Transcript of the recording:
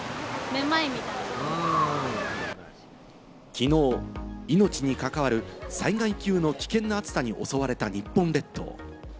きのう、命に関わる災害級の危険な暑さに襲われた日本列島。